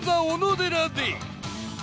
おのでらで